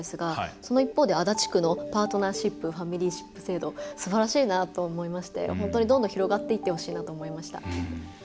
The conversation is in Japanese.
その一方で足立区のパートナーシップ・ファミリーシップ制度すばらしいなと思いまして本当にどんどん広がってほしいなと思いました。